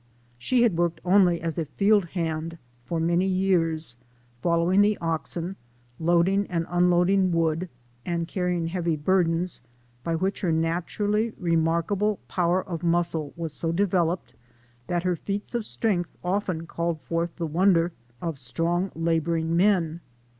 She had worked only as a field hand for many years, following the oxen, loading and unloading wood, and carrying heavy burdens, by which her 10 SOME SCENES IX THE naturally remarkable power of muscle was so devel oped that her feats of strength often called forth the wonder of strong laboring men.